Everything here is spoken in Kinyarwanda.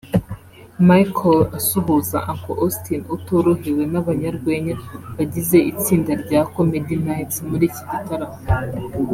Michael asuhuza Uncle Austin utorohewe n'abanyarwenya bagize itsinda rya Comedy Knights muri iki gitaramo